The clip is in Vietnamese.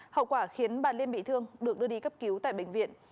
hậu quả khiến bà liên bị thương được đưa đi cấp cứu tại bệnh viện